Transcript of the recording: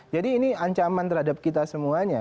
jadi ini ancaman terhadap kita semuanya